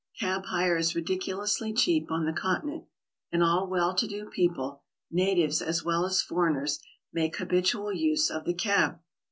Cab hire is ridiculously cheap on the Continent, and all well to do people, natives as well as foreigners, make habitual use of the cab.